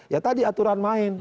ya tadi aturan main